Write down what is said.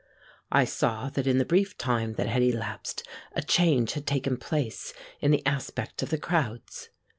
I saw that in the brief time that had elapsed a change had taken place in the aspect of the crowds.